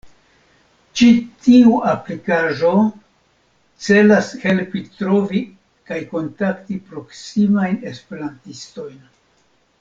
Ĉi tiu aplikaĵo celas helpi trovi kaj kontakti proksimajn esperantistojn.